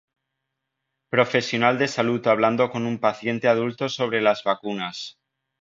Profesional de salud hablando con un paciente adulto sobre las vacunas.